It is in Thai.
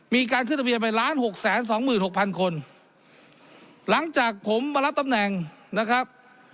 มีการขึ้นทะเบียนไปล้านหกแสนสองหมื่นหกพันคนหลังจากผมมารับตำแหน่งนะครับ